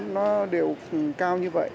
nó đều cao như vậy